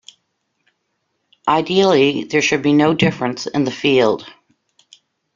Ideally there should be no difference in the field.